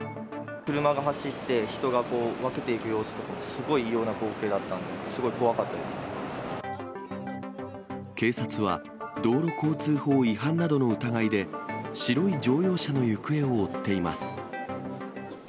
車が走って、人が分けていく様子とかもすごい異様な光景だったので、すごい怖警察は、道路交通法違反などの疑いで、白い乗用車の行方を追っています。